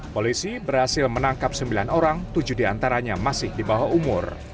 polisi berhasil menangkap sembilan orang tujuh diantaranya masih di bawah umur